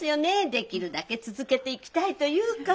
できるだけ続けていきたいというか。